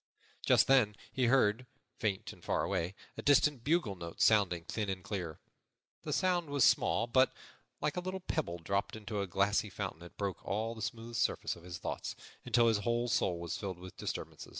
Just then he heard, faint and far away, a distant bugle note sounding thin and clear. The sound was small, but, like a little pebble dropped into a glassy fountain, it broke all the smooth surface of his thoughts, until his whole soul was filled with disturbance.